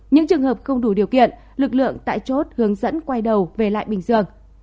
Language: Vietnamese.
những trường hợp không đủ điều kiện lực lượng tại chốt hướng dẫn quay đầu về lại bình dương